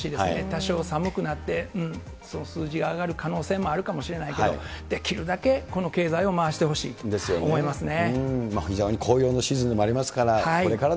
多少、寒くなって、その数字が上がる可能性もあるかもしれないけど、できるだけこの経済を回してほしい。ですよね。